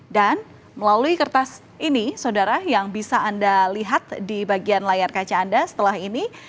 dan melalui kertas ini saudara yang bisa anda lihat di bagian layar kaca anda setelah ini